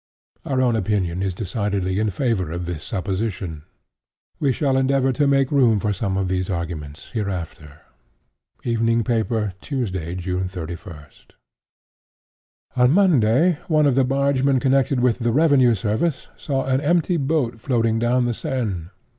Our own opinion is decidedly in favor of this supposition. We shall endeavor to make room for some of these arguments hereafter."—Evening Paper—Tuesday, June 31. (*22) "On Monday, one of the bargemen connected with the revenue service, saw a empty boat floating down the Seine.